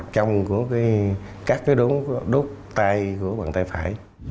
trong của các cái đốt tay của bàn tay phải